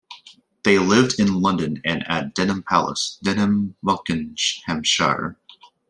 They lived in London and at Denham Place, Denham Buckinghamshire.